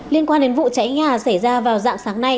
liên quan đến vụ cháy nhà xảy ra vào dạng sáng nay